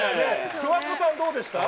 桑子さん、どうでした？